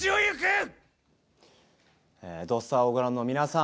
「土スタ」をご覧の皆さん。